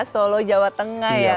solo jawa tengah ya